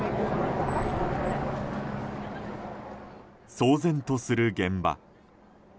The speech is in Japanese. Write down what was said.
騒然とする現場。